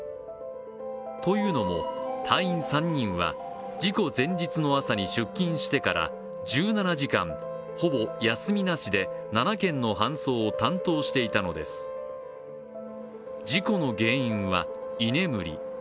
というのも、隊員３人は事故前日の朝に出勤してから１７時間ほぼ休みなしで７件の搬送を担当していたのです。事故の原因は、居眠り。